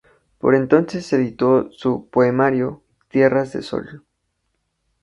Por entonces editó su poemario "Tierras de Sol".